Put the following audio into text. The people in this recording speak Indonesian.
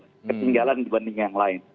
ketinggalan dibanding yang lain